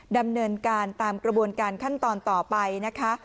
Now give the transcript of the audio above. ดำเนินการตามกระบวนการขั้นตอนต่อไปนะคะ